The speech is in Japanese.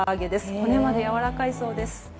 骨までやわらかいそうです。